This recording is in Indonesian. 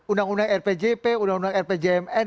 undang undang rpjp undang undang rpjmn